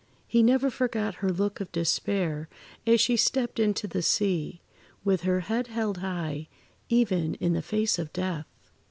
He never forgot her look of despair as she stepped into the sea—with her head held high even in the face of death.